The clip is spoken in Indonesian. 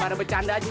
gak ada bercanda aja